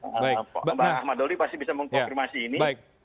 mbak ahmad doli pasti bisa mengkonfirmasi ini